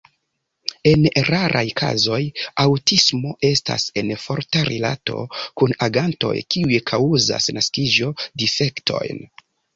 En raraj kazoj aŭtismo estas en forta rilato kun agantoj kiuj kaŭzas naskiĝo-difektojn.